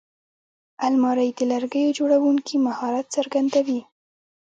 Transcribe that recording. الماري د لرګیو جوړوونکي مهارت څرګندوي